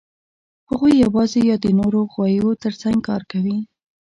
هغوی یواځې یا د نورو غویو تر څنګ کار کوي.